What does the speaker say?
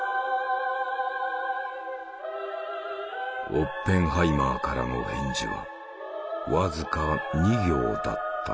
オッペンハイマーからの返事は僅か２行だった。